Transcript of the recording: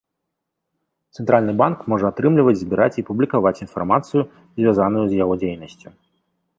Цэнтральны банк можа атрымліваць, збіраць і публікаваць інфармацыю, звязаную з яго дзейнасцю.